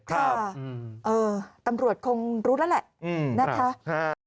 ครับตำรวจคงรู้แล้วแหละนะคะครับ